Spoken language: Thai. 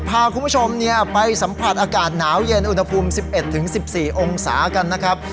พาคุณผู้ชมเนี้ยไปสัมผัสอากาศหนาวเย็นอุณหภูมิสิบเอ็ดถึงสิบสี่องศากันนะครับ